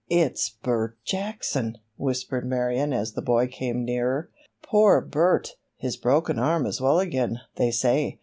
"It's Bert Jackson!" whispered Marion as the boy came nearer. "Poor Bert! His broken arm is well again, they say!